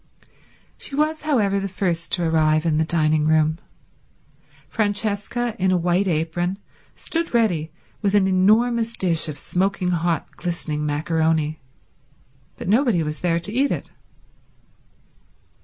She was, however, the first to arrive in the dining room. Francesca in a white apron stood ready with an enormous dish of smoking hot, glistening macaroni, but nobody was there to eat it.